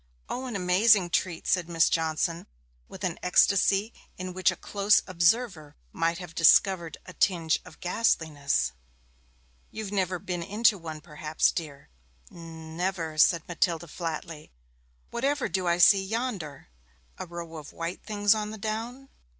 'O, an amazing treat!' said Miss Johnson, with an ecstasy in which a close observer might have discovered a tinge of ghastliness. 'You've never been into one perhaps, dear?' 'N never,' said Matilda flatly. 'Whatever do I see yonder a row of white things on the down?'